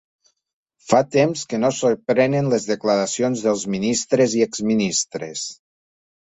Fa temps que no sorprenen les declaracions dels ministres i exministres.